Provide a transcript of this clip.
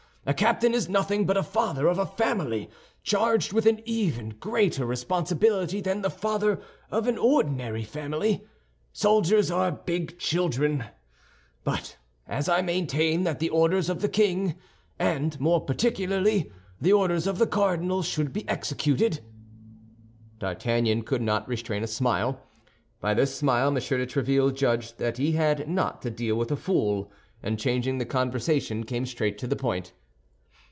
A captain is nothing but a father of a family, charged with even a greater responsibility than the father of an ordinary family. Soldiers are big children; but as I maintain that the orders of the king, and more particularly the orders of the cardinal, should be executed—" D'Artagnan could not restrain a smile. By this smile M. de Tréville judged that he had not to deal with a fool, and changing the conversation, came straight to the point.